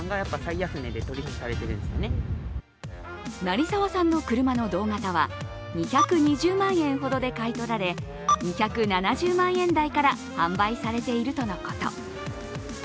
成沢さんの車の同型は２２０万円ほどで買い取られ、２７０万円台から販売されているとのこと。